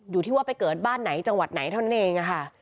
อยู่ที่ว่าไปเกิดบ้านไหนจังหวัดไหนเท่านั้นเองค่ะ